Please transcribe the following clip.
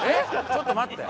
ちょっと待って。